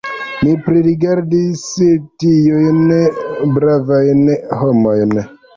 Mi pririgardis tiujn bravajn homojn.